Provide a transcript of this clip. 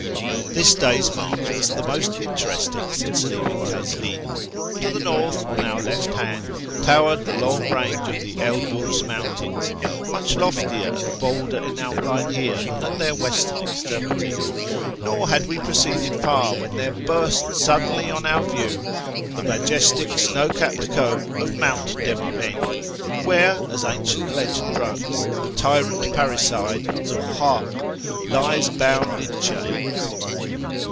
This day's march was the most interesting since leaving Kazvin. To the north, on our left liand, towered the long range of the Elburz mountains, much loftier and bolder in outline here than at their western extremity ; nor had we proceeded far when there burst suddenly on our view the majestic snow capped cone of Mount Demavend, where, as ancient legend runs, the tyrant parricide, Zuhliak, lies bound in chains.